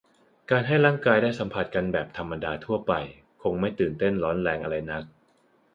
การให้ร่างกายได้สัมผัสกันแบบธรรมดาทั่วไปคงไม่ตื่นเต้นร้อนแรงอะไรนัก